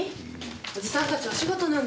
おじさんたちお仕事なんだから。